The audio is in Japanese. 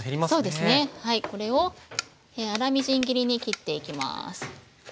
これを粗みじん切りに切っていきます。